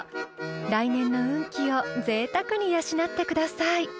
［来年の運気をぜいたくに養ってください］